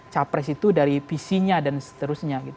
capres itu dari pc nya dan seterusnya